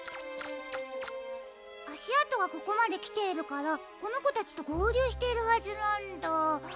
あしあとはここまできているからこのこたちとごうりゅうしているはずなんだ。